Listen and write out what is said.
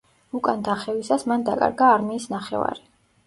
უკან დახევისას მან დაკარგა არმიის ნახევარი.